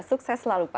sukses selalu pak